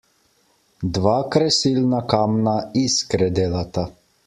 Dva kresilna kamna iskre delata.